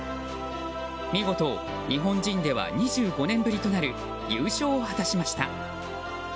見事、日本人では２５年ぶりとなる優勝を果たしました。